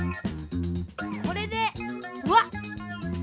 これでうわっ！